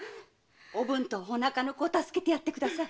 おぶんとお腹の子を助けてやってください。